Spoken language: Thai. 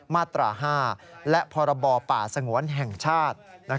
มาตรา๕และพรบป่าสงวนแห่งชาติ